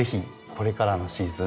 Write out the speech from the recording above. これからのシーズン